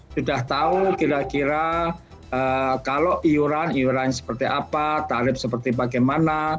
sudah tahu kira kira kalau iuran iuran seperti apa tarif seperti bagaimana